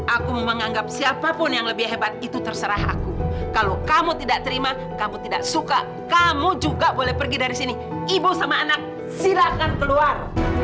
aku mau menganggap siapapun yang lebih hebat itu terserah aku kalau kamu tidak terima kamu tidak suka kamu juga boleh pergi dari sini ibu sama anak silakan keluar